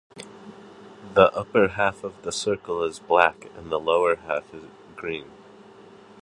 The upper half of the circle is black and the lower half green.